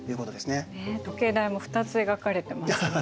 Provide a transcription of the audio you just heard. ねえ時計台も２つ描かれてますよね。